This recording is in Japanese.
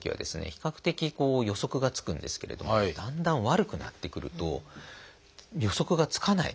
比較的予測がつくんですけれどもだんだん悪くなってくると予測がつかない。